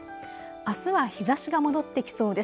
あすは日ざしが戻ってきそうです。